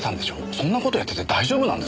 そんな事やってて大丈夫なんですか？